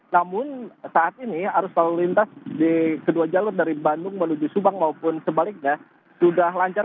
namun saat ini arus lalu lintas di kedua jalur dari bandung menuju subang maupun sebaliknya sudah lancar